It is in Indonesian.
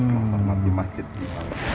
menghormati masjid di bawah sana